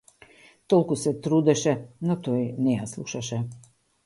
Толку се трудеше, но тој не ја слушаше.